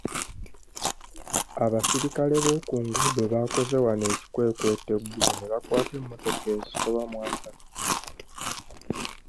Abasirikale bookunguuddo baakoze wano ekikwekweto eggulo ne bakwata emmotoka ezisoba mu asatu.